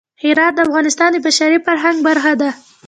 هرات د افغانستان د بشري فرهنګ برخه ده.